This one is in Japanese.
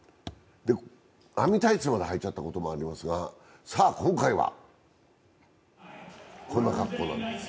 網タイツまで履いちゃったことがありますが、さあ、今回はこんな格好です。